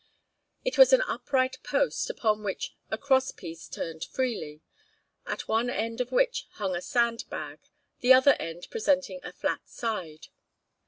It was an upright post, upon which a cross piece turned freely, at one end of which hung a sand bag, the other end presenting a flat side.